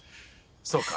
そうか。